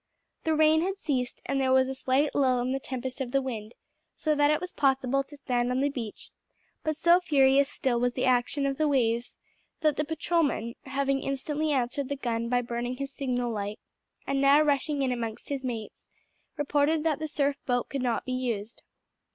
The rain had ceased, and there was a slight lull in the tempest of wind, so that it was possible to stand on the beach; but so furious still was the action of the waves that the patrolman, having instantly answered the gun by burning his signal light, and now rushing in among his mates, reported that the surf boat could not be used.